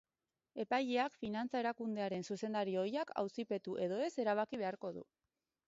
Epaileak finantza erakundearen zuzendari ohiak auzipetu edo ez erabaki beharko du.